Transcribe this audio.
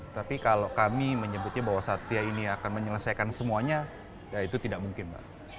tapi kalau kami menyebutnya bahwa satria ini akan menyelesaikan semuanya ya itu tidak mungkin mbak